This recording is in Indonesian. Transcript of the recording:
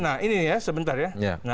nah ini ya sebentar ya